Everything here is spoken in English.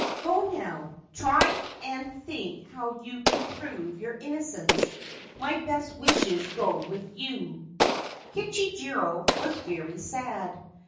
Go now. Try and think how you can prove your innocence. My best wishes go with you/ Kichijiro was very sad.